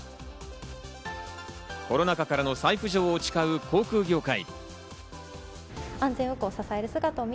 コロナ禍からの再浮上を誓う航空業界。